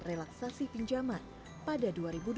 relaksasi pinjaman pada dua ribu dua puluh